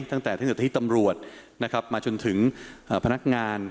ตั้งแต่ธนาธิตำรวจมาจนถึงพนักงาน